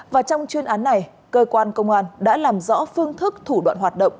và trong chuyên án này cơ quan công an đã làm rõ phương thức thủ đoạn hoạt động